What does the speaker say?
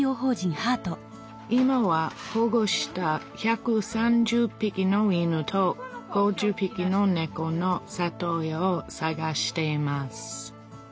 今は保護した１３０ぴきの犬と５０ぴきのねこの里親を探しています。